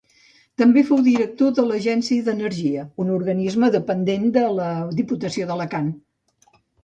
També fou director de l'Agència d'Energia, un organisme dependent de la Diputació d'Alacant.